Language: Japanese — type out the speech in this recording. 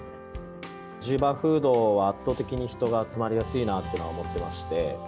ジーバーフードは、圧倒的に人が集まりやすいなって思ってまして。